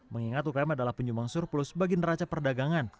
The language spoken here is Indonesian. mengingat ukm adalah penyumbang surplus bagi neraca perdagangan